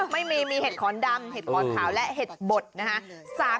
ไม่มีมีเห็ดขอนดำเห็ดขอนขาวและเห็ดบดนะฮะ